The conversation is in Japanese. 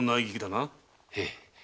ええ。